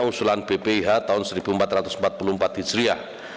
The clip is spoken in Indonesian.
usulan bpih tahun seribu empat ratus empat puluh empat hijriah